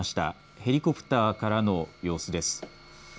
ヘリコプターからの様子です。